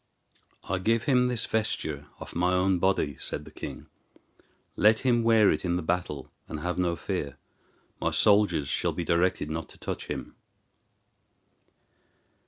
"I give him this vesture off my own body," said the king; "let him wear it in the battle, and have no fear. My soldiers shall be directed not to touch him."